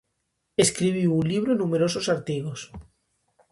Escribiu un libro e numerosos artigos.